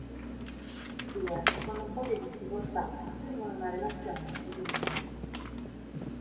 I due, con non poche difficoltà, stringono una relazione e diventano amanti.